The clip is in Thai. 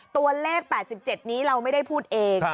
ตัวเลข๘๗นี้เราไม่ได้พูดเอง